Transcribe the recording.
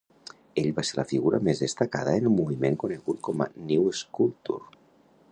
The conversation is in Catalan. Ell va ser la figura més destacada en el moviment conegut com "New Sculpture".